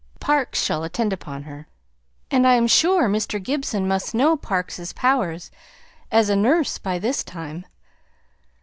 Parkes shall attend upon her, and I'm sure Mr. Gibson must know Parkes's powers as a nurse by this time.